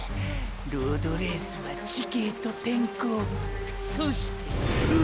ロードレースは地形と天候そして運！！